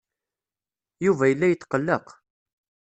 Yuba yella yetqelleq.